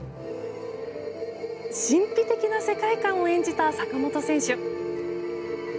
神秘的な世界観を演じた坂本選手。